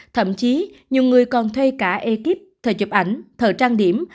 thậm chí nhiều người còn thuê cả ekip thời chụp ảnh thờ trang điểm